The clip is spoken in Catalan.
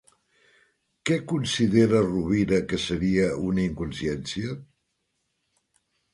Què considera Rovira que seria una inconsciència?